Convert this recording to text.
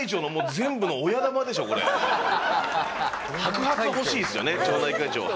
白髪欲しいですよね町内会長は。